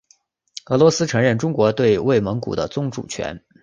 俄罗斯承认中国对外蒙古的宗主权。